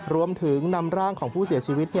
รวมถึงนำร่างของผู้เสียชีวิต